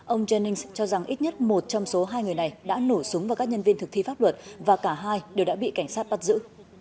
ông jennings cho rằng ít nhất một trong số hai người này đã nổ súng vào các nhân viên thực thi pháp luật và cả hai đều đã bị cảnh sát bắt giữ